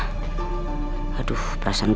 nah otur awal sudah tiba tiba